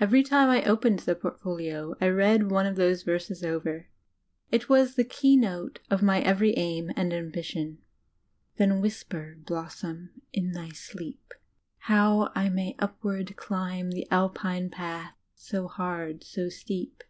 Every time I opened the portfolio I read one of those verses over; it was the key note of my every aim and ambition: "Then whisper, blossom, in thy sleep How I may upward climb The Alpine path, so hard, so steep.